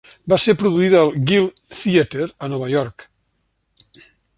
Va ser produïda al Guild Theatre a Nova York